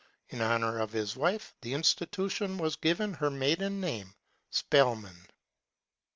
In honor of his wife, the institu tion was given her maiden name, Spelman.